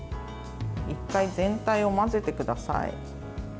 １回、全体を混ぜてください。